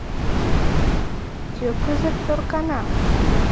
Кӧ кызыт ӧркана